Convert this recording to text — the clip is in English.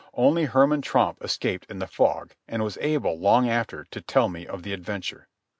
Only Herman Tromp escaped in the fog, and was able, long after, to tell me of the adventure.